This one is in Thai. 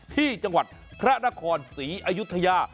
ที่จังหวัดพระนครศรีอยุธยา